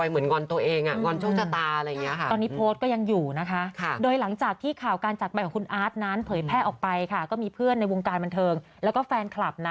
คือในข้อความเห็นบอกว่างอนด้วย